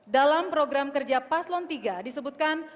dalam program kerja paslon tiga disebutkan